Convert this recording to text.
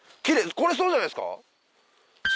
これそうじゃないっすか？